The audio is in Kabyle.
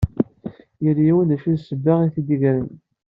Yal yiwen d acu n ssebba i t-id-ideggren.